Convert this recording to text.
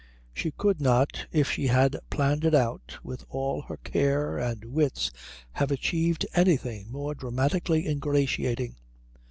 She could not if she had planned it out with all her care and wits have achieved anything more dramatically ingratiating.